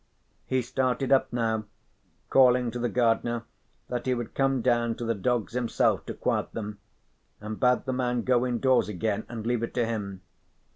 He started up now, calling to the gardener that he would come down to the dogs himself to quiet them, and bade the man go indoors again and leave it to him.